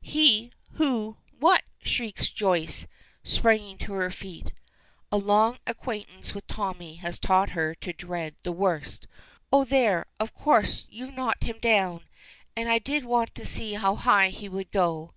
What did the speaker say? "He! Who! What!" shrieks Joyce, springing to her feet. A long acquaintance with Tommy has taught her to dread the worst. "Oh, there! Of course you've knocked him down, and I did want to see how high he would go.